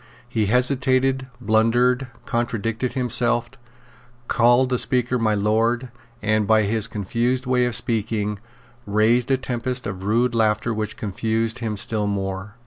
He hesitated, blundered, contradicted himself, called the Speaker My Lord, and, by his confused way of speaking, raised a tempest of rude laughter which confused him still more.